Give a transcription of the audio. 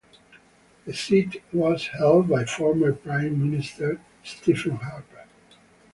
The seat was held by former Prime Minister Stephen Harper.